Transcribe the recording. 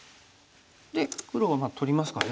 で黒は取りますかね。